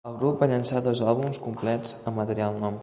El grup va llançar dos àlbums complets amb material nou.